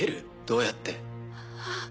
どうやって？